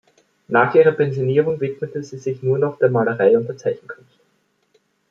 Nach ihrer Pensionierung widmete sie sich nur noch der Malerei und der Zeichenkunst.